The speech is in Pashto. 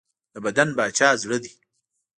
د بدن باچا زړه دی.